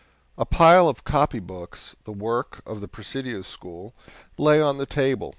A pile of copybooks, the work of the Presidio school, lay on the table.